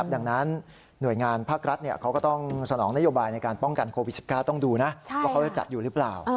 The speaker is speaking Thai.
ดังนั้นหน่วยงานภาครัฐเขาก็ต้องสนองนโยบายในการป้องกันโควิด๑๙ต้องดูนะว่าเขาจะจัดอยู่หรือเปล่า